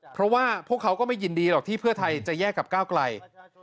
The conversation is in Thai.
เพราะว่าพวกเขาก็ไม่ยินดีหรอกที่เพื่อไทยจะแยกกับก้าวไกล